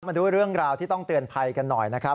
มาดูเรื่องราวที่ต้องเตือนภัยกันหน่อยนะครับ